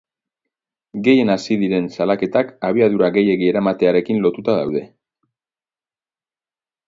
Gehien hazi diren salaketak abiadura gehiegi eramatearekin lotuta daude.